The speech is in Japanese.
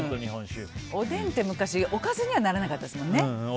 おでんって、昔、おかずにはならなかったですもんね。